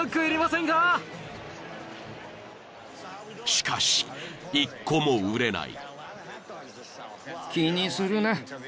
［しかし１個も売れない］